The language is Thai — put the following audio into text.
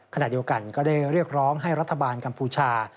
ขณะเดียวกันก็ได้เรียกร้องให้รัฐบาลกัมพูชา